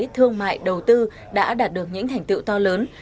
thương mại đầu tư đã đạt được những hành tựu to lớn